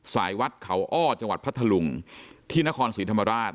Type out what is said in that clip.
วัดเขาอ้อจังหวัดพัทธลุงที่นครศรีธรรมราช